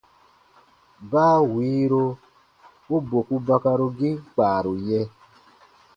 Baa wiiro u boku bakarugiin kpaaru yɛ̃.